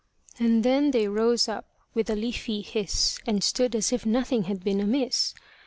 And then they rose up with a leafy hiss, And stood as if nothing had been amiss.